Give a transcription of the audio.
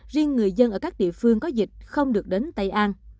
riêng người dân ở các địa phương có dịch không được đến tây an